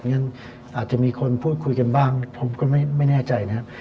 งั้นอาจจะมีคนพูดคุยกันบ้างผมก็ไม่แน่ใจนะครับ